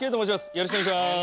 よろしくお願いします。